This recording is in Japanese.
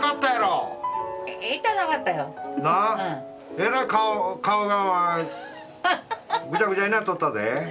えらい顔がぐちゃぐちゃになっとったで。